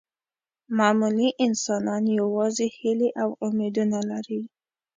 معمولي انسانان یوازې هیلې او امیدونه لري.